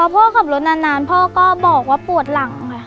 พ่อขับรถนานพ่อก็บอกว่าปวดหลังค่ะ